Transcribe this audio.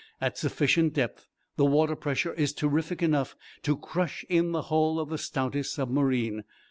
At sufficient depth the water pressure is terrific enough to crush in the hull of the stoutest submarine.